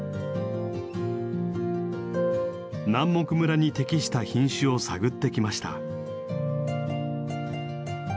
南牧村に適した品種を探ってきました。